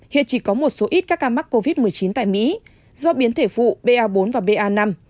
hiện chỉ có một số ít các ca mắc covid một mươi chín tại mỹ do biến thể phụ ba bốn và ba năm